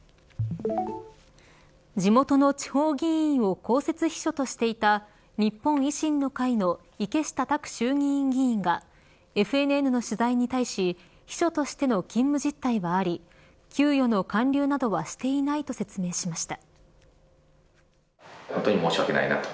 地元の地方議員を公設秘書としていた日本維新の会の池下卓衆議院議員がＦＮＮの取材に対し秘書としての勤務実態はあり給与の還流などはしていないと説明しました。